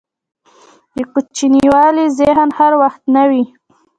دکوچنیوالي ذهن هر وخت نه وي.